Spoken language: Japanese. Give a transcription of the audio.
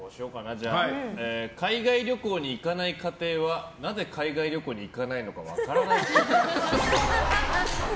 海外旅行に行かない家庭はなぜ海外旅行に行かないのか分からないっぽい。